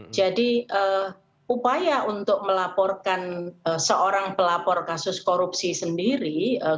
jadi upaya untuk melaporkan seorang pelapor kasus korupsi sendiri